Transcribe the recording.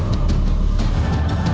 tim liputan tv